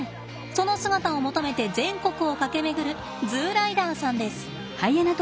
その姿を求めて全国を駆け巡るＺＯＯライダーさんです。